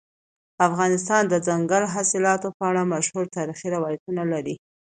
افغانستان د دځنګل حاصلات په اړه مشهور تاریخی روایتونه لري.